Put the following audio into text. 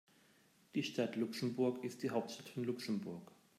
Die Stadt Luxemburg ist die Hauptstadt von Luxemburg.